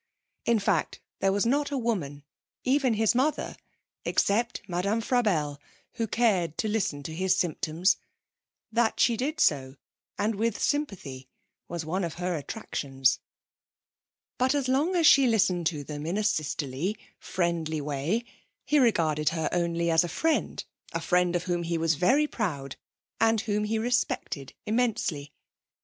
In fact there was not a woman, even his mother, except Madame Frabelle, who cared to listen to his symptoms. That she did so, and with sympathy, was one of her attractions. But as long as she had listened to them in a sisterly, friendly way, he regarded her only as a friend a friend of whom he was very proud, and whom he respected immensely.